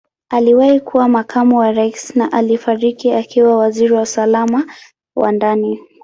Aliwahi kuwa Makamu wa Rais na alifariki akiwa Waziri wa Usalama wa Ndani.